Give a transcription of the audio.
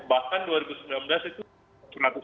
bahkan dua ribu sembilan belas itu